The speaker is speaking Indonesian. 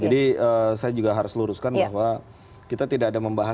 jadi saya juga harus luruskan bahwa kita tidak ada membahas